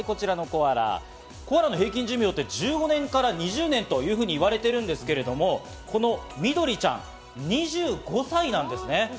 コアラの平均寿命って１５年から２０年と言われているんですけれども、このみどりちゃん、２５歳なんですね。